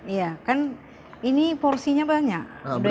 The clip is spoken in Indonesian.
iya kan ini porsinya banyak